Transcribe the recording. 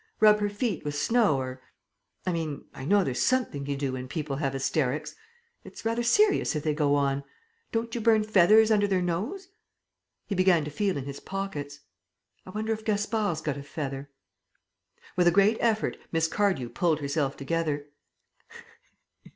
Rub her feet with snow or I mean, I know there's something you do when people have hysterics. It's rather serious if they go on. Don't you burn feathers under their nose?" He began to feel in his pockets. "I wonder if Gaspard's got a feather?" With a great effort Miss Cardew pulled herself together.